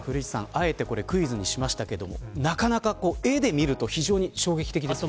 あえてクイズにしましたけどなかなか絵で見ると衝撃的ですね。